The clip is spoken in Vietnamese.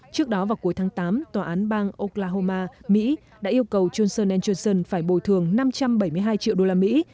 trước đó vào cuối tháng tám tòa án bang oklahoma mỹ đã yêu cầu johnson johnson phải bồi thường năm trăm bảy mươi hai triệu đô la mỹ